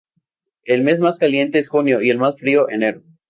El mes más caliente es junio; y el más frío, enero.